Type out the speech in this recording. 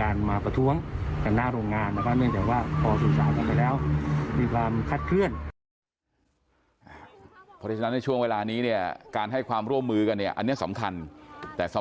ก็เพียงแต่ว่าเราต้องการความปลอดภัยครับ